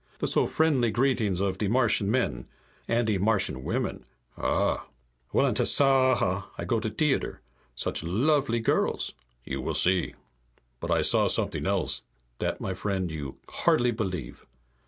The so friendly greetings of de Martian men. And de Martian women! Ah! "Well, in Tasaaha I go to t'eater. Such lovely girls! You shall see. But I saw somet'ing else. That, my friend, you hardly believe!"